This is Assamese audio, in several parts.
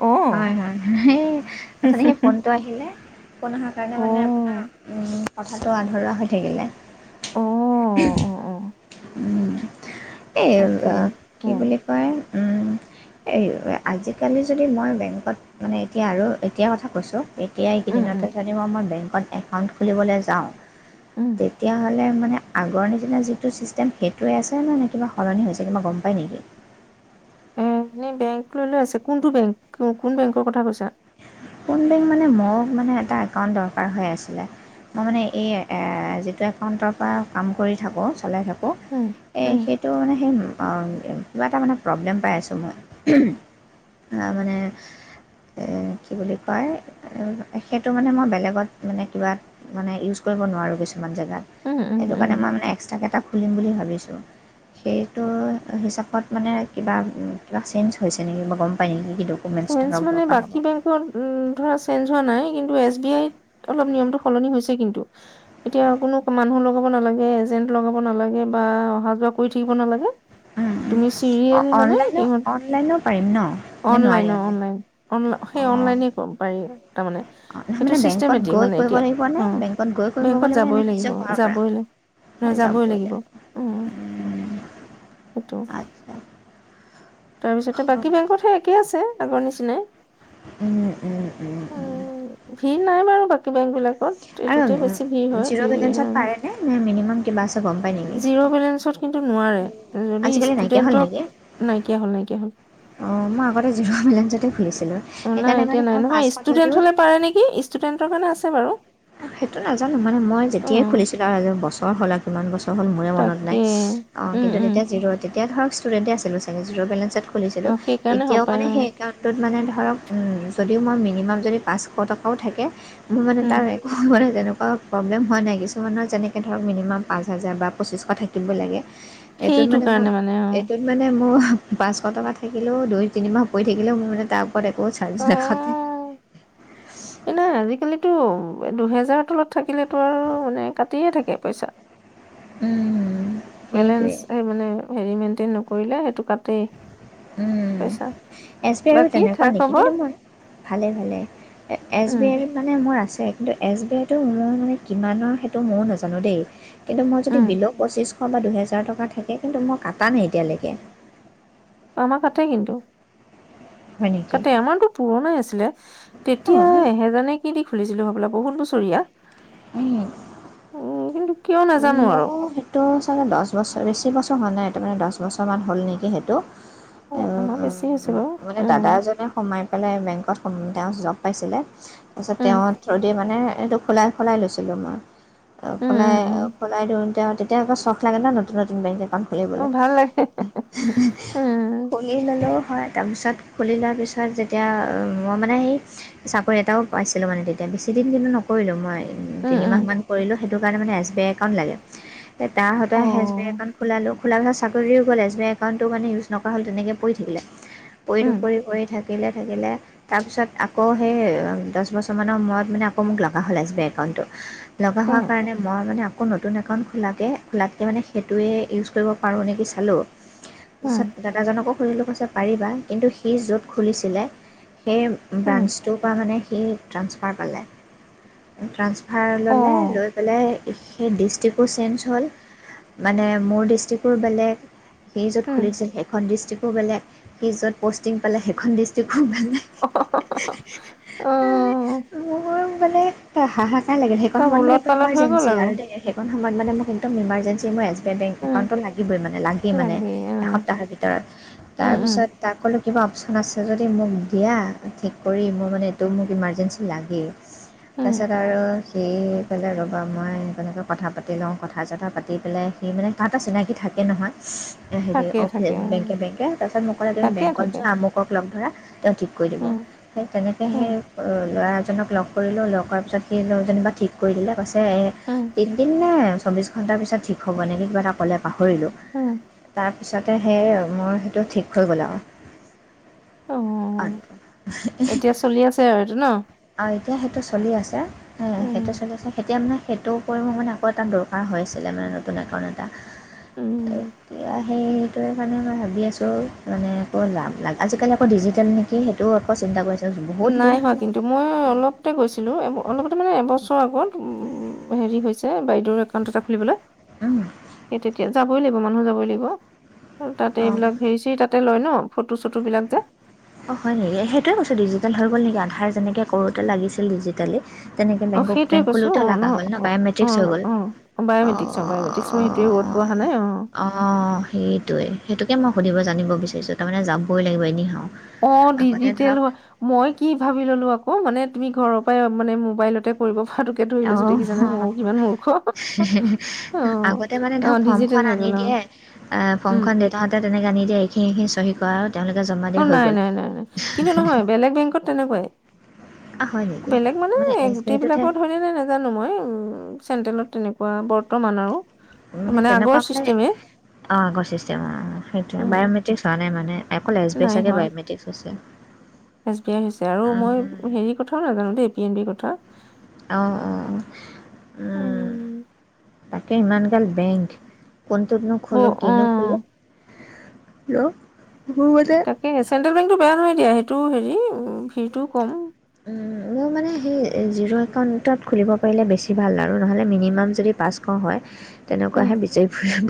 অ হয় হয় সেই অথনি সেই ফোনটো আহিলে। ফোন অহাৰ কাৰণে অ মানে আপোনাৰ কথাটো আধৰুৱা হৈ থাকিলে। [inaudible] অ অ অ এই তাকে কি উম বুলি কয়? উম [inaudible] এই আজিকালি যদি মই বেংকত মানে এতিয়া আৰু এতিয়া কথা কৈছোঁ। এতি উম উম এইকেইদিনতে যদি মই বেংকত একাউণ্ট খুলিবলৈ যাওঁ উম তেতিয়া গ মানে আগৰ নিচিনা যিটো- সেইটোৱে আছে ন নে কিবা সলনি হৈছে কিবা গম পায় নেকি? এনেই বেংক ল লৈ আছে কোনটো বেংক কোন বেংকৰ কথা কৈছা? কোন বেংক মানে মোক মানে এটা একাউণ্ট দৰকাৰ হৈ আছিলে। মই মানে এই যিটো একাউণ্টৰ পৰা কাম কৰি থাকোঁ চলাই থাকো উম এ উম সেইটো মানে সেই- কিবা এটা মানে প্ৰব্লেম পাই আছোঁ মই আ মানে এ কি বুলি কয় সেইটো মানে মই বেলেগত মানে কিবা মানে ইউজ কৰিব নোৱাৰোঁ কিছুমান জেগাত উম উম সেইটো উম কাৰণে মই মানে এক্সট্ৰাকেইটা খুলিম বুলি ভাবিছোঁ। সেইটো হিচাপত মানে কিবা কিবা চেঞ্জ হৈছে নেকি বা গম পায় নেকি? কি ডকুমেণ্টছ চেঞ্জ ধৰক মানে দৰকাৰ বাকী বেংকৰ- উম ধৰা চেঞ্জ হোৱা নাই কিন্তু এছ বি আই অলপ নিয় মটো সলনি হৈছে কিন্তু এতিয়া। মানুহ লগাব নালাগে এজেন্ট লগাব নালাগে বা অহা যোৱা কৰি থাকিব নালাগে। হ'ব তুমি অ চিৰিয়েল মানে কি অনলাইনো অনলাইনো পাৰিম ন নে অনলাইন নোৱাৰি লনল অ সেই অনলাইনে কম পাৰি তাৰমানে অ নহয় সেইটো মানে বেংকত চিষ্টেমেটিক গৈ মানে কৰিব এতিয়া লাগিব নে অ বেংকত গৈ কৰিব বেংকত গ'লে মানে নে যাবই লাগিব নিজৰ ঘৰৰ পৰা যাবই লাগ। ন যাবই লাগিব উ উম সেইটো। আচ্ছা তাৰপিছতে বাকী বেংকতহে একে আছে আগৰ নিচিনাই- উম উম উম উম ভিৰ নাই বাৰু বাকী বেংক বিলাক আৰু এইটোতে বেছি ভিৰ হয় জিৰ' ইউৰিণে বেলেঞ্চত পাৰেনে নে মিনিমাম কিবা আছে গম পাই নেকি জিৰ' বেলেঞ্চত, কিন্তু নোৱাৰে যদি আজিকালি নাইকিয়া ষ্টুডেন্টক নাইকিয়া হ'ল নাইকিয়া হ'ল। অ মই আগতে জিৰ বেলেঞ্চতে খুলিছো। অ নাই এতিয়া নাই নহয় ষ্টুডেন্ট হলে পাৰে নেকি ষ্টুডেন্টৰ কাৰণে আছে বাৰু- সেইটো নাজানো মানে মই অ', যেতিয়াই খুলিছিলো আৰু আজ বছৰ হ'ল আৰু কিমান বছৰ- হ'ল মোৰে মনত তাকে নাইঁ উম, কিন্তু উম, তেতিয়া জিৰ' তেতিয়া ধৰক ষ্টুডেণ্টে আছিলোঁ চাগে জিৰ' বেলেঞ্চত- খুলিছিলো অ', সেইকাৰণে এতিয়াও হপায় মানে সেই অ', একাউণ্টত মানে ধৰক যদিও মই মিনিমাম যদি পাঁচশ টকাও থাকে মোৰ মানে উম। তাৰ এক মানে তেনেকুৱা প্ৰব্লেম হোৱা নাই কিছুমানৰ যেনেকৈ ধৰক মিনিমাম পাঁচ হাজাৰ বা পঁচিছশ থাকিব লাগে। এইটোত সেইটো মানে কাৰণে মোক অ', এইটোত মানে মোৰ পাঁচশ টকা থাকিলেও দুই তিনিমাহ পৰি থাকিলেও মোৰ মানে তাৰ চাজ নাকাটে অ'। এই নাই আজিকালিতো দুহেজাৰৰ তলত থাকিলেতো আৰু মানে কাটিয়ে থাকে পইচা। উম বেলেঞ্চ এই মানে হেৰি মেইনটেইন নকৰিলে সেইটো কাটেই উম পইচা। এছ বি আৰু বাকী খা তেনেকুৱা নেকি খবৰ? কিন্তু মই- ভালে ভালে এছ উম, বি আইত মানে মোৰ আছে- এছ বি আই টো মোৰ মানে কিমানৰ সেইটো মই নাজানো দেই কিন্তু মই যদি উম, বিল- শ বা দুহেজাৰ টকা থাকে কিন্তু মই কটা নাই এতিয়ালৈকে- আমা কাতে কিন্তু- হয় নেকি কাতে আমাৰতো পুৰণা আছিলে অঁ তেতিয়া এহেজা নে কি দে- খুলিছিলো হবালা বহুত বছৰীয়া। উম উম, কিন্তু কিয় উম নাজানো মই আৰু সেইটো চাগে দহ বছৰ বেছি বছৰ হোৱা নাই তাৰমানে দহ বছৰমান হ'ল নেকি সেইটো অ', আমাৰ বেছি হৈছে বাৰু মানে উম, দাদা এ জনে সোমাই পেলাই বেংকত- তেও জব পাইছিলে তাৰপিছত উম, তেও থুৰেদি মানে এইটো সলাই - সলাই লৈছিলো মই উম, সলাই উম, উম, সলাই দিও তেও তেতিয়া আক চখ লাগে নতুন - নতুন বিত কণ খুলিবলৈ অ', ভাল লাগে উম, - খুলি ললো। হয় তাৰপিছত খুলি লোৱাৰ পিছত যেতিয়া মই মানে সেই চাকৰি এটাও পাইছিলো মানে তেতিয়া বেছিদিন কিন্তু নকৰিলো মই উম, উম, তিনিমাহমান কৰিলো সেইটো কাৰণে মানে এছ বি আই একাউণ্ট লাগে। তাহতৰ হে এছ বি আই অ', একাউণ্টটো খোলালো। খোলা কথা চাকৰিও গ'লেজ বে একাউটটো মানে ইউজক কৰা হ'ল তেনেকৈ পৰি থাকিলে পৰি উম, নৰি পৰি থাকে। থাকিলে থাকিলে তাৰপিছত আকৌ সেই দহ বছৰমানৰ সময়ত মানে আকৌ মোক লগা হ'ল হে এছ বি আই একাউণ্ট। লগা উম, হোৱা কাৰণে মই মে আকৌ নতুন একাউণ্ট খোলাকৈ খোলাককৈ মানে সেইটোৱে ইউজ কৰিব পাৰো নেকি চালো উম, দাদাজনকো সুধিলো কৈছে পাৰিবা কিন্তু সি য'ত খুলিছিলে সেই উম, ব্ৰাঞ্চটোৰ পৰা মানে সি ট্ৰান্সফাৰ পালে। ট্ৰা ফাৰ ললে অ'। লৈ পেলাই। সেই ডিষ্ট্ৰিক্টো চেঞ্জ হ'ল মানে মোৰ ডিষ্ট্ৰিকো বেলেগ। সি যত উম, খুলি দিছিল সেইখন ডিষ্ট্ৰিকো বেলেগ। সি য'ত পষ্টিং পালে সেইখন ডিষ্ট্ৰিক্ট ভাল লে অ', মোৰ মানে হাহাক নাই লাগিল সেইখন চব সময়ত মানে ওলট মোৰ পালট হৈ গ'ল ইমাৰজেঞ্চি আৰু দেই সেইখন সমত মান ম একদম ইমাৰজঞ্চি মই আজো বেংক উম, একাউণ্টটো লাগিবৈ মানে, লাগে মানে। এসপ্তাহৰ পিছত। তাৰ উম, উম, পিছত তাক কলো কিবা অপচন আছে যদি মোক দিয়া ঠিক কৰি মোৰ মানে এইটো মোক ইমাৰ্জেঞ্চি লাগেই। উম, তাৰপিছত আৰু সি কলে ৰ'বা মই কেনেকৈ কথা পাতি লও। কথা চথা পাতি পেলাই সি মানে কাহ এটা চিনাকি থাকে নহয়। হেৰি থাকে অ থাকে বেংকে অ', - বেংকে তাৰপাছত মোক ক'লে তুমি থাকে বেংকত থাকে যোৱা আমুক লগ ধৰা তেও ঠিক কৰি দিব। উম, সেই তেনেকৈ উম, সেই ল'ৰা জনক লগ কৰিলো লগ কৰাৰ পিছত সেইজননিবা ঠিক কৰি দিলে। কৈছে উম, নাই চৌবিশ ঘন্টাৰ পিছত ঠিক হ'ব নেকি কিবা এটা ক'লে পাহৰিলো উম, তাৰ পিছতে সেই মোৰ সেইটো ঠিক হৈ গ'ল আৰু। অ, এতিয়া চলি আছে আৰু এইটো ন? আ [unintelligible] এতিয়া সেইটো চলি আছে উম, -সেইটো চলি আছে তেতিয়া মানে সেইটো কৰিবোৰ মানে আকৌ এটা দৰকাৰ হৈ আছিলে মানে নতুন একাউণ্ট এটা উম, এতি সেইটোৱে মানে মই ভাবি আছো মানে একো লাভ লা আজিকালি আকৌ ডিজিটেল নেকি সেইটোও আকৌ চিন্তা কৰিছে। নাই হোৱা কিন্তু মই অলপতে গৈছিলো অলপ তাৰ মানে এবছৰ আগত উ, হেৰি হৈছে বাইদেউৰ একাউণ্ট এটা খুলিবলৈ। উম। সেই তেতিয়া যাবই লাগিব মানুহ যাবই লাগিব। তাতে অঁ এইবিলাক হেৰি চেৰি তাতে লয় ন ফটো চটো বিলাক যে। অ, হয় নেকি সেইটোয়ে কৈছো ডিজিটেল হৈ গল নেকি আধাৰ যেনেকে কৰোতে লাগিছিল ডিজিটেলি। তেনেকে অ বেংক - সেইটোৱে বেংক কৈছো খুলো তো অ লগা নহয় হ'ল ন অ অ বায়মেট্ৰিক্স হৈ গ'ল। অ, বায়মেট্ৰিক্স বায়মেট্ৰিক্স মই সেইটোৱে ৱৰ্ডটো অহা নাই অ সেইটোৱে - সেইটোকে মই সুধিব জানিব বিচাৰছো তাৰমানে যাবই লাগিব এনেইাও। অ, ডিজিটেল হয় মই কি ভাবি ললো আকৌ অ, মানে তুমি ঘৰৰ পৰাই মানে মোবাইলতে কৰিব সাটোকে ধুৰি লৈছো দেখিছানাই ময়ো অঁ কিমান মূৰ্খ অ আগতে মানে - অ, ধৰক ডিজিটেল ফৰ্মখন হৈ গল। আনি অ দিয়ে আহ উম ফংখন দেউতাহতে তেনেকে নিদিয়ে এইখিনি এইখিনি চহী কৰা। তেওঁলোকে জমা অ, দিয়া হৈ নাই গ'ল - নাই - নাই - নাই। কিন্তু নহয় বেলেগ বেংকত তেনেকুৱাই আ, হয় নেকি বেলেগ মানে এছ বি গোটেই আইটোতহে বিলাকৰ ধৰিলে নে নাজানো মই উম, চেন্ট্ৰেলত তেনেকুৱা বৰ্তমান আও। মানে তেনেকুৱা মানে অ, আগৰ চিষ্টেম সেইটো, উম বায়মেট্ৰিক হোৱা নাই মানে। অকল এছ বি এ নাই চাগে হোৱা বায়'মেট্ৰিকছ হৈছে। এছ বি আই হৈছে আৰু মই উম, হেৰি কথাও নাজানো দেই পি এন বিৰ কথা। অ- অ। উম, তাকে ইমান গাল বেংক কোনটোতনো ব খোলো কিনো খোলো। উম, হেল্ল তাকে চেন্ট্ৰেল বেংকতটো বেয়া নহয় দিয়া সেইটোও হেৰি ভিৰটোও কম উম আমও মানে সেই জিৰ' একাউণ্টত খুলিব পাৰিলে বেছি ভাল আৰু নহ'লে মিনিমাম যদি পাঁচশ হয়, উম, তেনেকুৱাহে বিচাৰি ফুৰিব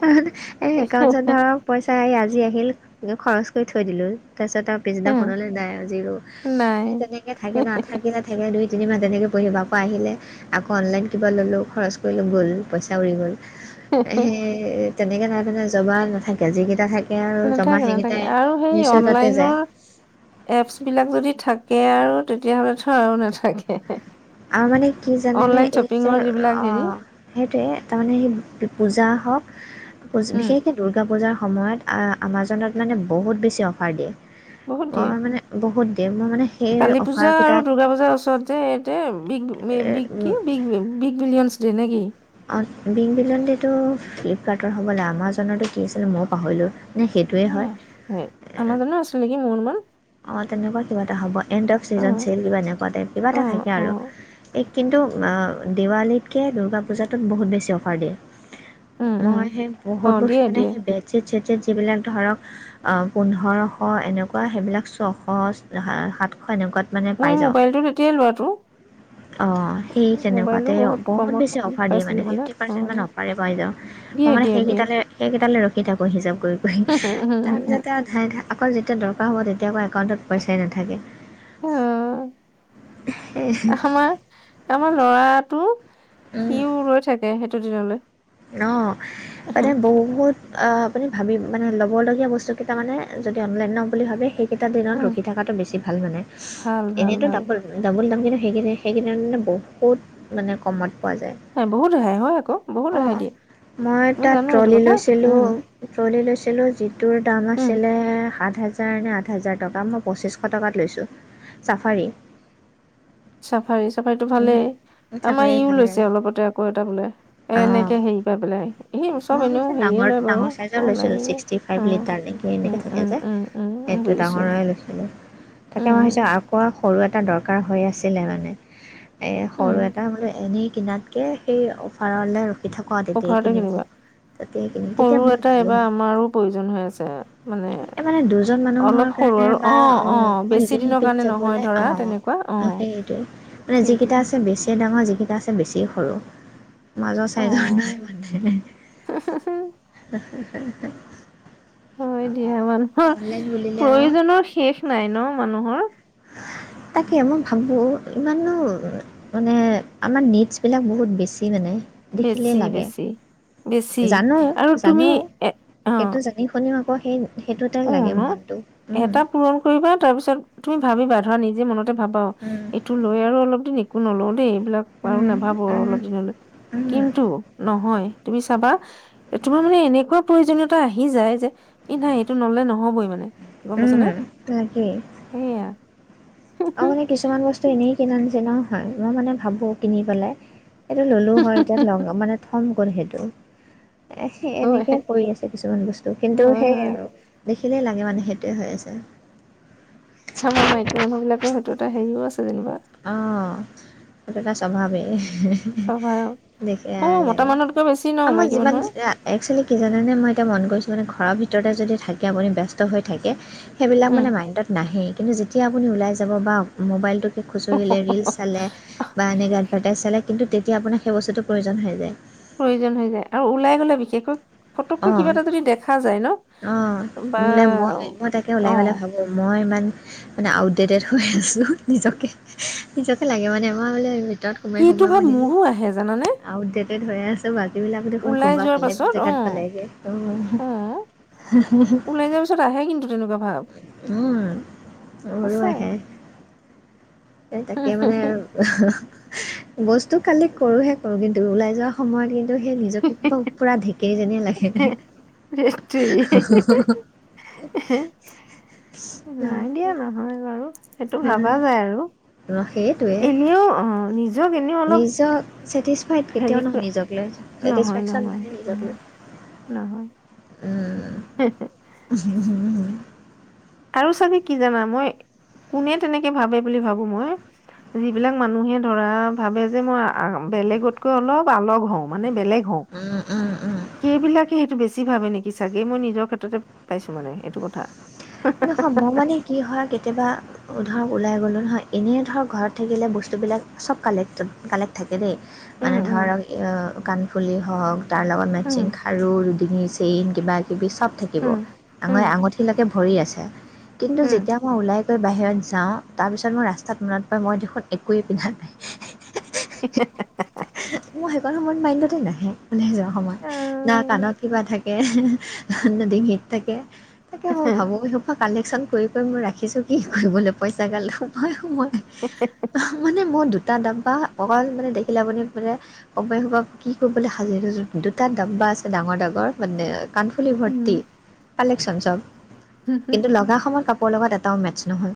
কাৰণ এই একাউণ্টছত ধৰক পইচা আহ আজ যি আহিল খৰচ কৰি থৈ দিলো তাৰ পিছত আৰু উম, পিছদিনাখনলৈ নাই আৰু। সেই নাই তেনেকে থাকে না থাকি না থাকিল দুই তিনি মাহ তেনেকে পঢ়িবা, আকৌ আহিলে আকৌ অনলাইন কিবা ল'লো খৰচ কৰিলো গ'ল পইচা উৰি গ'ল সেই তেনেকে নাই পনে জবা নাথাকে যিকেইটা থাকে আৰু জমা নাথাকে নাথাকে। সেইকেইটাই আৰু সেই মিউচুৱেলতে যায় অনলাইনৰ এপচ বিলাক যদি থাকে আৰু তেতিয়াাহ'লেতো আৰু নাথাকে। আৰু মানে কি জানে নে অনলাইন এই যে শ্বপিঙৰ যিবিলাক অ হেৰি সেইটোয়ে তাৰমানে সেই পূজা হওক জ উম, বিশেষকৈ দুৰ্গা পূজাৰ সময়ত আমাজনত মানে বহুত বেছি অফাৰ দিয়ে বহুত দিয়ে মই মানে বহুত দিম মই মানে সেই কালি পূজা আৰু অফাৰকেইটাত দূৰ্গা পূজাৰ ওচৰত যে ইতে বিগ বি কি বিগ বিগ বিলিয়নছ ডে নে কি অ বিন বিলণ্টো ফ্লিপকাৰ্টৰ হ'বলৈ আমাজনো কি আছিল ময় পাহৰিলোঁ নে সেইটোৱে উম হয় আমাৰজন আছিল নেকি মোৰ ম অ তেনেকোৱা কিবা এটা হ'ব এণ্ড অফ চিজন অ'। চ কিবা এনেকোৱা টাই কিবা অ', এটা থাকে আৰু অ', এই কিন্তু দেৱালীতকে দুৰ্গা পূজাটোত বহুত বেছি অফাৰ দিয়ে উম, উম, মই সেই বহুত অ', বছৰ দিয়ে মানে দিয়ে সেই বেচে বিলাক ধৰক পোন্ধৰ শ এনেকোৱা সেইবিলাক এক ছশ সাতশ এনেকোৱাত মোৰ মোবাইলটো তেতিয়াই লোৱাটো অ সেই মোবাইলটো তেনেকুৱাতে বহুত কমত বেছি অফাৰ দিয়ে পাইছিলো মানে ফিফটি পাৰ্চেন্ট মান অ', অফাৰে পাই যাওঁ মই দিয়ে মানে দিয়ে দিয়ে। সেইকেইটালে সেইকেটালে ৰখো সেই আকৌ হিচাপ কৰি তাৰপিছতে আৰু আকৌ যেতিয়া দৰকাৰ হ'ব তেয়া তেতিয়াকৌ একাউণ্টত পইচাই নাথাকে অ আমাৰ আমাৰ লৰাটো সিও ৰৈ থাকে সেইটো দিনলৈ ন মানে বহুত অ আপুনি ভাবি মানে ল'বলগীয়া বস্তু কেইটা মানে যদি অনলাইন ল'ম বুলি ভাবে সেই ইটা দিনত উম, ৰখি থকাতটো বেছি ভাল মানে ভাল ভাল এনেইটো ভাল ডাবল ডাবল দাম কি সেইক সেইকেইিন মানে বহুত মানে কমত পোৱা যায় বহুত হে হয় আকৌ বহুত ৰেহাই অঁ দিয়ে মই তাত জানো এইটো ট্ৰলি কথা লৈছিলোঁ উম, ট্ৰলী লৈছিলো যিটো দাম উম। আছিলে সাত হাজাৰ নে আঠ হাজাৰ মই পঁচিছশ টকাত লৈছোঁ চাফাৰী আচ্ছা চাফাৰী চাফাৰীতটো উম, ভালেই আমাৰ চাফাৰী ইও ভাল লৈছে লাগে অলপতে আকৌ এটা বোলে এ অঁ এনেকে হেৰি পাই বোলে স চব মই এনেও অৱশ্যে হেৰিয়ে ডাঙৰ লয় বাৰু ডাঙৰ চাইজৰ লৈছিলোঁ ওলাহিয়ে ছিক্সটি অ উম উম উম উম উম, এইটো বুজিছো ডাঙৰৰে লৈছিলো তাকে মইছো উম আকৌ সৰু এ এটা দৰকাৰ হৈ আছিলে মানে এ উম সৰু এটা বোলে এনেই কিনাতকে সেই অফাৰলে পিঠা ক তেতিয়া অফাৰতে সেইখিনি কিনিবা ততিয়ে কিনিম সৰু তেতিয়া বহুত এটা ভালো এইবাৰ হয় আমাৰো প্ৰয়োজন হৈ আছে মানে মানে দুজন মানুহৰ অলপ সৰু কাৰণে আৰু বা অ অকমান বেছি ইপিন দিনৰ সিপিন কাৰণে নহয় যাবলৈ ধৰা অ তেনেকুৱা অ সেইটোয় মানে সেইটো যিকেইটা আছে বেছিয় ডাঙৰ যিকেইটা আছে বেছি সৰু মাজ অ চাইজ ন মানে হয় দিয়া মানুহৰ অনলাইন বুলিলে আৰু প্ৰয়োজনৰ শেষ নাই ন মানুহৰ [inaudible] তাকে মই ভাবোঁ ইমানো মানে আমাৰ নিডছবিলাক বহুত বেছি মানে। দেখিলেই বেছি লাগে বেছি বেছি জানো আৰু তুমি জানো এ অ সেইটো জানি শুনিও আকৌ সেই সেইটোতে অ লাগে ন মনটো উম এটা পূৰণ কৰিবা তাৰপিছত তুমি ভাবিবা ধৰা নিজে মনতে ভাবা উম এইটো লৈ আৰু অলপ দিন একো নলও দেই। এই বিলাক বাৰু উম নাভাবো উম অলপ দিনলৈ উম কিন্তু নহয়। তুমি চাবা তোমাৰ মানে এনেকোৱা প্ৰয়োজনীয়তা আহি যায় যে ই নাই টো নলে নহ'বই মানে গম পাইছে উম নে? লাগেই সেইয়া। আৰু মানে কিছুমান বস্তু এনেই কিনা নিছিল হয়। মই মানে ভাবো কিনি পেলাই এইটো ললো হয় [unintelligible] মানে থম ক'ত সেইটো। এহ হয় এনেকে পৰি আছে কিছুমান বস্তু কিন্তু হয় সেইয়ে হয় আৰু। ‌ দেখ খিলেই লাগে মানে সেইটোৱে হৈ আছে। আমাৰ মাইকী মানুহ বিলাকৰ সেইতো এটা হেৰিও আছে যেনিবা। অ' সেইটো এটা স্বভাবে। স্বভাৱ দেখে অ আৰু মতা লাগে। মানুহতকৈ বেছি ন মই মাইকী যিমান মানুহৰ ‌যি এআ একচুৱেলি কি জানে নে মই এতিয়া মন কৰিছো মানে ঘৰৰ ভিতৰতে যদি থাকে আপুনি ব্যস্ত হৈ থাকে সেইবিলাক উম মানে মাইণ্ডত নাহেই কিন্তু যে তিয়া আপুনি ওলাই যাব বা মোবাইলটো খুচুৰিলে, ৰিলচ চালে বা এনেকে এডভাৰ্টাইজ চালে কিন্তু তেতিয়া আপোনাক সেই বস্তুটো প্ৰয়োজন হৈ যায়। প্ৰয়োজন হৈ যায় আৰু ওলাই গ'লে বিশেষকৈ ফটককৈ কিবা অ' এটা যদি দেখা যায় ন অ', বা বোলে মই - মই তাকে অ ওলাই গলে ভাবো মই ইমান মানে আউটডেটেড হৈ আছো নিজকে নিজকে লাগে মানে মই বোলো ভিতৰত সোমাই সেইটো সোমাই ভাৱ মানে মোৰো আহে জানানে আউট ডেটেড হৈয়ে আছো বা এইবিলাকো দেখোন ওলাই কোনবা যোৱাৰ বেলেগ পাছত অ জেগাত পালেগে অ'। অ ওলাই যোৱাৰ পিছত আহে কিন্তু তেনেকুৱা ভাব, উম, মোৰো আছে। আহে এ তাকে মানে বস্তু কালেক্ট কৰোহে কৰোঁ কিন্তু ওলাই যোৱা সময়ত কিন্তু সেই নিজকে কিবা পূৰা‌ ঢেক কেৰী যেনে লাগে। ধেৎতেৰি নাই দিয়া নহয় বাৰু। সেইটো ভাবা অ', যায় আৰু সেইটোৱে এনেও অ নিজক এনেও অলপ নিজক [unintelligible] কেতিয়াও হেৰি নহয় নিজক লৈ নহয় ছেটিচফেকচন নহয় নাই নিজক লৈ। নহয় উম। আৰু চাগে কি জানা মই কোনে তেনেকে ভাবে বুলি ভাবো মই যিবিলাক মানুহে ধৰা ভাবে যে মই আ বেলেগতকৈ অলপ আলগ হওঁ মানে বেলেগ হও, উম, উম, উম। সেইবিলাকে সেইটো বেছি বেছি ভাবে নেকি চাগে মই নিজৰ ক্ষেত্ৰতে পাইছো মানে এইটো কথা। নহয় মই মানে কি হয় কেতিয়াবা ধৰক ওলাই গ'লোঁ নহয় এনেই ধৰক ঘৰত থাকিলে বস্তুবিলাক চব কালেক্টত কালেক্ট থাকে। কে দেই। মানে উম উম ধৰক কাণফুলি হওক তাৰ লগত উম মেচিং খাৰু ডিঙি চেইন কিবা কিবি চব থাকিব উম আঙৈ উম - আঙুঠিলৈকে ভৰি আছে। কিন্তু উম যেতিয়া মই ওলাই বাহিৰত যাওঁ তাৰপিছত মোৰ ৰাস্তাত মনত পৰে মই দেখোন একোৱেই পিন্ধা নাই। [unintelligible] মই সেই সময়ত মাইণ্ডতে নাহে ওলাই যোৱা সময়ত না কাণত আহ, কিবা থাকে না ডিঙিত থাকে। তাকে মই ভাবো সেইসোপা কালেকচন কৰি কৰি মই ৰাখিছো কি কৰিবলৈ পইচা গাল সোমোৱাই সোমোৱাই। [unintelligible] টা ডাব্বা অকল মানে দে খিল আপুনি মানে সময়ে সময় কি কৰিবলৈ সাজি দুটা দাম্বা আছে ডাঙৰ ডাঙৰ মানে কাণফুলি উম ভৰ্তি কালেকচন চব কিন্তু লগা সময়ত এটাৰ লগত এটাও মেচ নহয়